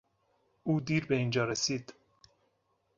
او دیر به اینجا رسید.